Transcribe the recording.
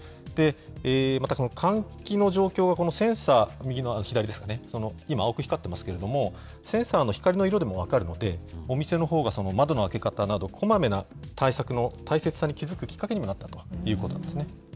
またこの換気の状況、このセンサー、左ですかね、今、青く光ってますけれども、センサーの光の色でも分かるので、お店のほうが窓の開け方など、こまめな対策の大切さに気付くきっかけにもなったということなんですね。